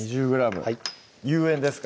有塩ですか？